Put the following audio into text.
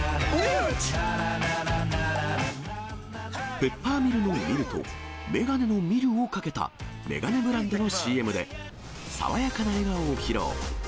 ペッパーミルのミルと、眼鏡の見るをかけた、眼鏡ブランドのＣＭで、爽やかな笑顔を披露。